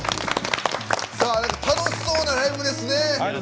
楽しそうなライブですね。